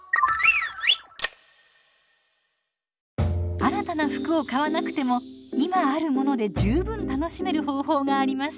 新たな服を買わなくても今あるもので十分楽しめる方法があります。